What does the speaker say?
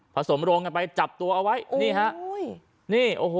ผสมโรงไปจับตัวเอาไว้